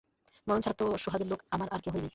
মরণ ছাড়া তো সোহাগের লোক আমার আর কেহই নাই।